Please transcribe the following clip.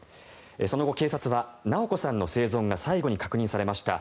その後、警察は直子さんの生存が最後に確認されました